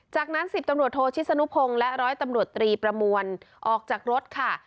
จากนั้น๑๐ตำรวจโทชิสนุพงศ์และร้อยตำรวจตรีประมวลออกจากรถค่ะ